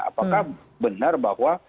apakah benar bahwa